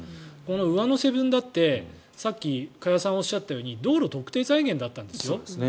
上乗せ分だってさっき加谷さんがおっしゃったように道路特定財源だったんです。